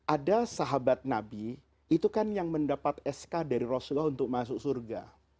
ada sahabat nabi itu kan yang mendapat sk dari rasulullah untuk masuk surga